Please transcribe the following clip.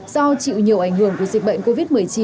do chịu nhiều ảnh hưởng của dịch bệnh covid một mươi chín